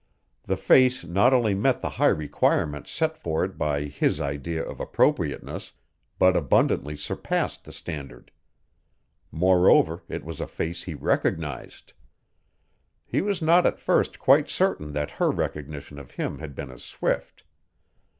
The face not only met the high requirements set for it by his idea of appropriateness, but abundantly surpassed the standard. Moreover, it was a face he recognized. He was not at first quite certain that her recognition of him had been as swift.